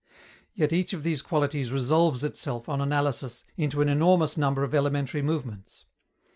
Yet each of these qualities resolves itself, on analysis, into an enormous number of elementary movements.